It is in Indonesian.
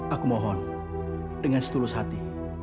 aku mohon dengan setulus hati